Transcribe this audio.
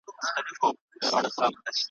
چي دي واچوي قاضي غاړي ته پړی ,